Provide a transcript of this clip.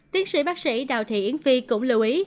tiến sĩ bác sĩ đào thị yến phi cũng lưu ý